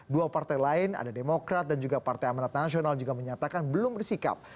dua partai lain ada demokrat dan juga partai amanat nasional juga menyatakan belum bersikap